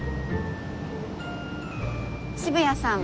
渋谷さん